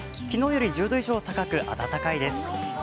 昨日より１０度以上高く、暖かいです